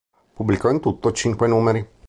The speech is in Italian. Pubblicò in tutto cinque numeri.